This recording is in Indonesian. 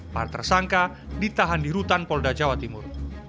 para tersangka ditahan di rutan polda jawa timur